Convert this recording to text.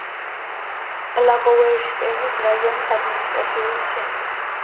ბლაგოვეშჩენსკის რაიონის ადმინისტრაციული ცენტრი.